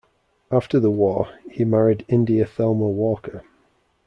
After the war, he married India Thelma Walker.